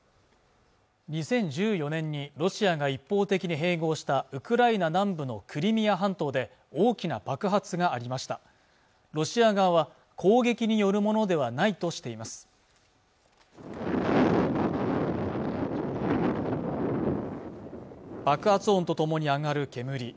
２０１４年にロシアが一方的に併合したウクライナ南部のクリミア半島で大きな爆発がありましたロシア側は攻撃によるものではないとしています爆発音とともに上がる煙